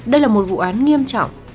đây là một vụ án nghiêm trọng